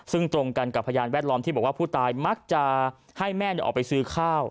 ซึ่งตรงกันกับพยานแวดล้อมที่บอกว่าผู้ตายมักจะให้แม่ออกไปซื้อข้าว